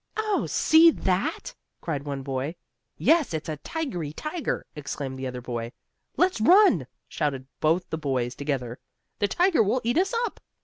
"Oh! See that!" cried one boy. "Yes, it's a tigery tiger!" exclaimed the other boy. "Let's run!" shouted both the boys together. "The tiger will eat us up!"